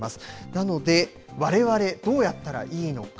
なので、われわれ、どうやったらいいのか。